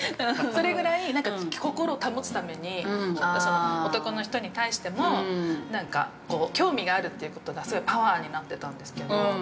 それぐらい、心をたもつために男の人に対してもなんか、興味があるということがすごいパワーになってたんですけど。